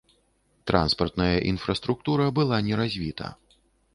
Транспартная інфраструктура была не развіта.